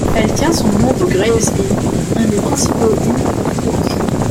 Elle tient son nom de Gray's Inn, un des principaux Inns of Court.